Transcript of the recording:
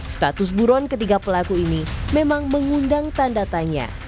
status buron ketiga pelaku ini memang mengundang tanda tanya